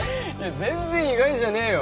全然意外じゃねえよ